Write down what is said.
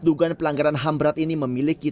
dugaan pelanggaran ham berat ini memiliki